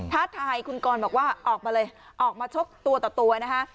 ท้าทายคุณกรบอกว่าออกมาเลยออกมาชกตัวต่อตัวนะคะ